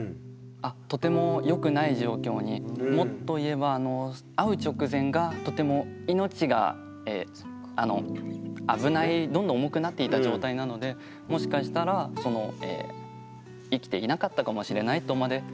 とてもよくない状況にもっと言えば会う直前がとてもどんどん重くなっていた状態なのでもしかしたら今にして思うと。